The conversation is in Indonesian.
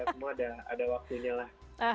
semua ada waktunya lah